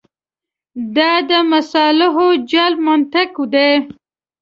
دا د مصالحو جلب منطق دی.